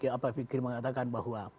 kalau pak fikri mengatakan bahwa